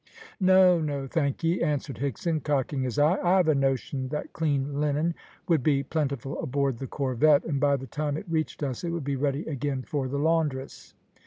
"No! no! thank ye," answered Higson, cocking his eye, "I've a notion that clean linen would be plentiful aboard the corvette, and by the time it reached us it would be ready again for the laundress."